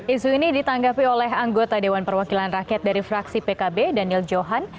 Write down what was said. isu ini ditanggapi oleh anggota dewan perwakilan rakyat dari fraksi pkb daniel johan